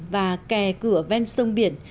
và kè cửa ven sông biển